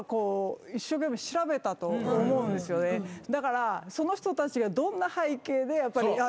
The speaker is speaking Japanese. だからその人たちがどんな背景でやっぱりあっ。